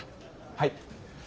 はい。